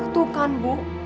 tuh kan bu